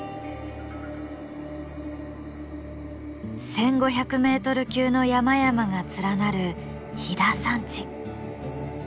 １，５００メートル級の山々が連なる飛山地。